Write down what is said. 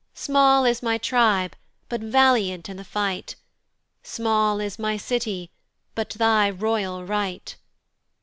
"Small is my tribe, but valiant in the fight; "Small is my city, but thy royal right."